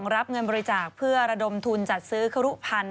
รับเงินบริจาคเพื่อระดมทุนจัดซื้อครุพันธ